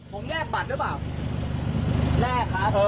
มึงบอกมึงเหรอว่ามันธุระอะไรอ่ะ